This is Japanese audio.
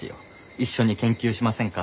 「一緒に研究しませんか」